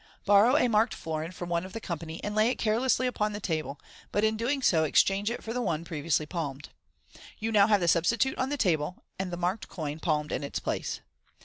Borrow a marked florin from one of the company, and lay it carelessly upon the table, but in so doing exchange it for the one previously palmed You now have the substitute on the table, and the marked coin palmed in its place.